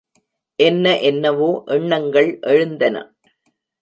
என்ன என்னவோ எண்ணங்கள் எழுந்தன.